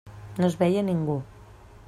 No es veia ningú.